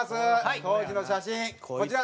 当時の写真こちら。